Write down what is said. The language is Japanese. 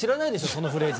そのフレーズ。